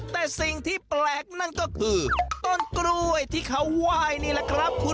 แต่สิ่งที่แปลกก็คือต้นกล้วยที่เขาว่ายนี่ล่ะครับ